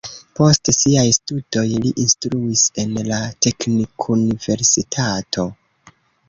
Post siaj studoj li instruis en la teknikuniversitato.